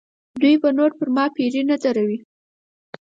دوی به نور پر ما پیرې نه دروي.